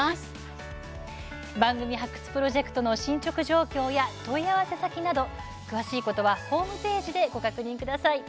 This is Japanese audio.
「番組発掘プロジェクト」の進捗状況や問い合わせ先など詳しくはホームページでご確認ください。